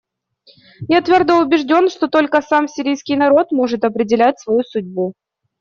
Я твердо убежден, что только сам сирийский народ может определять свою судьбу.